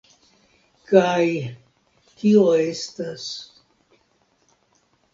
Kaj... kio estas...